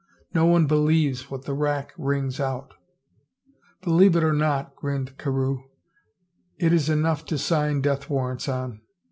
No one believes what the rack wrings out !"" Believe it or not," grinned Carewe, " it is enough to sign death warrants on.